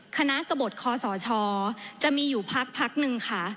คณะกระบวดคศชจะมีอยู่พักนึงค่ะ